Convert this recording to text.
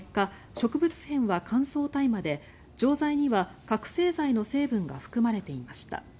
植物片は乾燥大麻で錠剤には覚醒剤の成分が含まれていました。